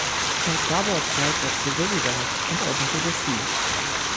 Her starboard side was severely damaged and open to the sea.